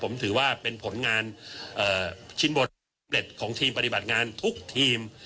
ผมถือว่าเป็นผลงานชิ้นบทเล็ตของทีมปฏิบัติงานทุกทีม